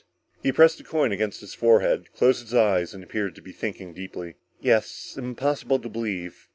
_He pressed the coin against his forehead, closed his eyes and appeared to be thinking deeply. "Yes, impossible to believe.